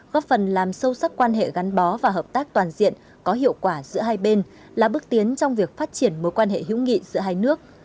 góp phần làm sâu sắc quan hệ gắn bó và hợp tác toàn diện có hiệu quả giữa hai bên là bước tiến trong việc phát triển mối quan hệ hữu nghị giữa hai nước